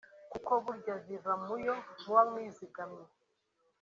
kuko burya ziva mu yo muba mwizigamye